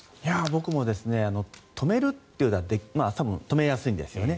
僕も止めるというのは多分、止めやすいんですよね。